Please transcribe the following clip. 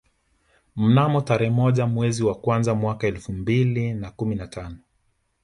Mnamo tarehe moja mwezi wa kwanza mwaka elfu mbili na kumi na tano